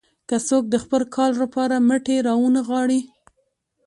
که څوک د خپل کار لپاره مټې راونه نغاړي.